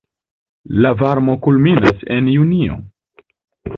La varmo kulminas en junio.